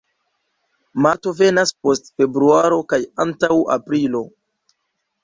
Marto venas post februaro kaj antaŭ aprilo.